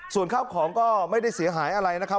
ส่วนข้าวของก็ไม่ได้เสียหายอะไรนะครับ